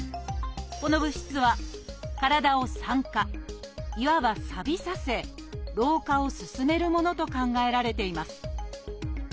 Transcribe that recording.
この物質は体を酸化いわばさびさせ老化を進めるものと考えられています。